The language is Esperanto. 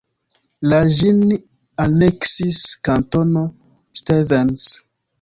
La ĝin aneksis Kantono Stevens.